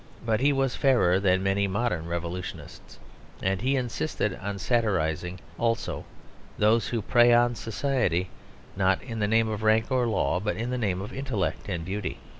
But he was fairer than many modern revolutionists, and he insisted on satirising also those who prey on society not in the name of rank or law, but in the name of intellect and beauty.